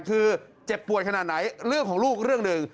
คือเจ็บป่วยขนาดไหนเรื่องของลูกเรื่องหนึ่ง